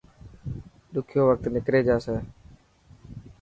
ڏکيو وقت نڪري جاسي.